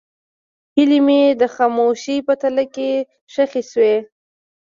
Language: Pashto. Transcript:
هیلې مې د خاموشۍ په تله کې ښخې شوې.